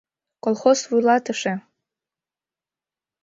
Колхоз вуйлатыше!